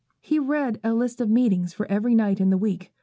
He read a list of meetings for every night in the week.